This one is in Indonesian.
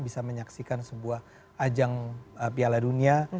bisa menyaksikan sebuah ajang piala dunia